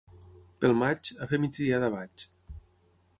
Pel maig, a fer migdiada vaig.